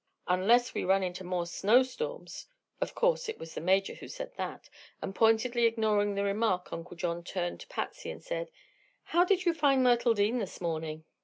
"Unless we run into more snowstorms." Of course it was the Major who said that, and pointedly ignoring the remark Uncle John turned to Patsy and said: "How did you find Myrtle Dean this morning?"